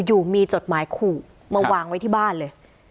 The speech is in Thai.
อยู่มีจดหมายขู่มาวางไว้ที่บ้านเลย